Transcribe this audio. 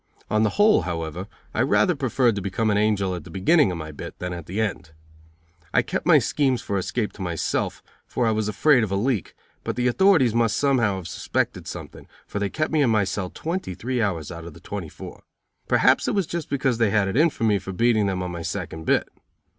On the whole, however, I rather preferred to become an angel at the beginning of my bit than at the end. I kept my schemes for escape to myself, for I was afraid of a leak, but the authorities must somehow have suspected something, for they kept me in my cell twenty three hours out of the twenty four. Perhaps it was just because they had it in for me for beating them on my second bit.